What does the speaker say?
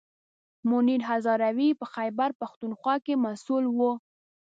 منیر هزاروي په خیبر پښتونخوا کې مسوول و.